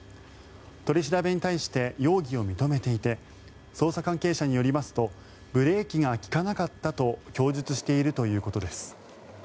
取り調べに対して容疑を認めていて捜査関係者によりますとブレーキが利かなかったと供述しているということです。